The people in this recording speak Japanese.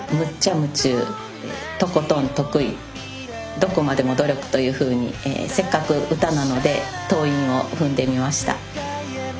「どこまでも努力」というふうにせっかく歌なので頭韻を踏んでみました。